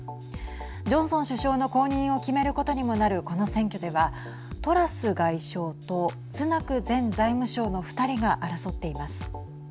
ジョンソン首相の後任を決めることにもなるこの選挙ではトラス外相とスナク前財務相の２人が争っています。